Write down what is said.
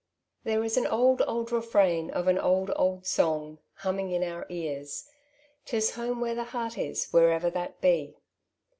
There is an old, old refrain of an old, old song humming in our ears, —" 'Tis home where the heart is, wherever that be.